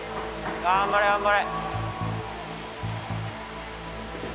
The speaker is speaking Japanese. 頑張れ頑張れ。